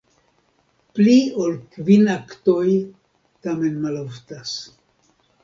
Pli ol kvin aktoj tamen maloftas.